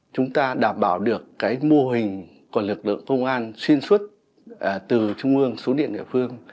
chúng ta đảm bảo được cái mô hình của lực lượng công an xuyên suốt từ trung ương xuống địa địa phương